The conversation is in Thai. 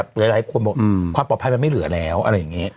หลายคนบอกความปลอดภัยมันไม่เหลือแล้วอะไรอย่างนี้